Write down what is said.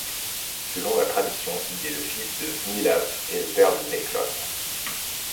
Selon la tradition il est le fils de Vnislav et le père Neklan.